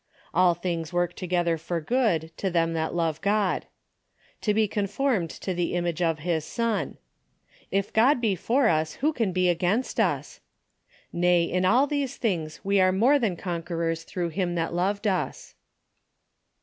... All things work to gether for good to them that love God. ... To be conformed to the image of his Son. ... If God be for us, who can be against us ?... Hay in all these things we are more than conquerors through him that loved us."